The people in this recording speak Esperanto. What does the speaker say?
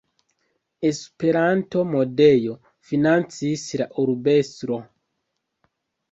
Esperanto-medoj financis la Urbestro.